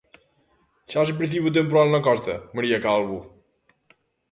Xa se percibe o temporal na costa, María Calvo?